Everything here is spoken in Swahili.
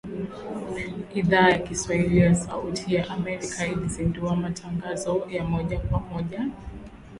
Idhaa ya Kiswahili ya Sauti ya Amerika ilizindua matangazo ya moja kwa moja